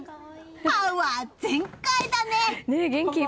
パワー全開だね！